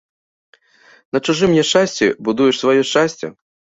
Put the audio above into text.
На чужым няшчасці будуеш сваё шчасце?